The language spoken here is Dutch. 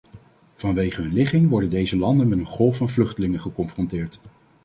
Vanwege hun ligging worden deze landen met een golf van vluchtelingen geconfronteerd.